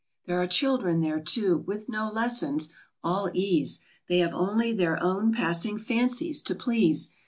There are children there, too; with no lessons; all ease ; They have only their own passing fancies to please.